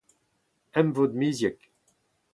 emvod miziek